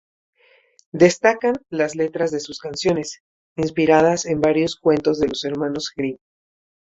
Destacan las letras de sus canciones, inspiradas en varios cuentos de los hermanos Grimm.